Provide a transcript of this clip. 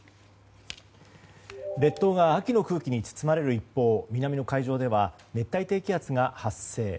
列島が秋の空気に包まれる一方、南の海上では熱帯低気圧が発生。